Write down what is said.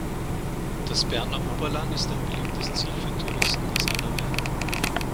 Das Berner Oberland ist ein beliebtes Ziel für Touristen aus aller Welt.